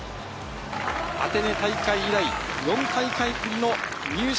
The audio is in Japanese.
アテネ大会以来、４大会ぶりの入賞。